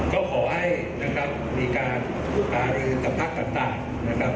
ก็ขอให้นะครับมีการหารือกับพักต่างนะครับ